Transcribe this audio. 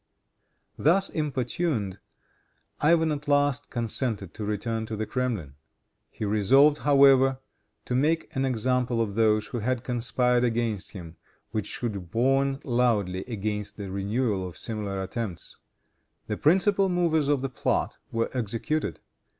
Thus importuned, Ivan at last consented to return to the Kremlin. He resolved, however, to make an example of those who had conspired against him, which should warn loudly against the renewal of similar attempts. The principal movers in the plot were executed.